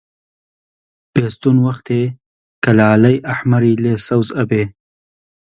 بێستوون وەختێ کە لالەی ئەحمەری لێ سەوز ئەبێ